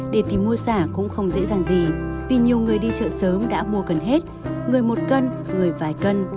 để tìm mua xả cũng không dễ dàng gì vì nhiều người đi chợ sớm đã mua gần hết người một cân người vài cân